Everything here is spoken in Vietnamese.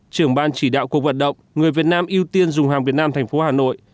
trưởng ban chỉ đạo cuộc vận động người việt nam ưu tiên dùng hàng việt nam tp hà nội